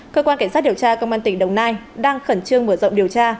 cơ quan cảnh sát điều tra công an tỉnh đồng nai đang khẩn trương mở rộng điều tra